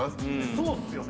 そうっすよね。